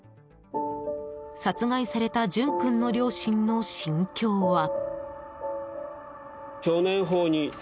殺害された淳君の両親の心境は。